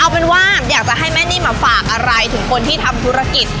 เอาเป็นว่าอยากจะให้แม่นิ่มฝากอะไรถึงคนที่ทำธุรกิจ